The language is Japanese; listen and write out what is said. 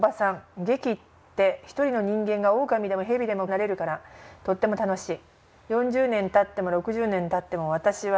劇って一人の人間がオオカミでもヘビでもなれるからとっても楽しい」。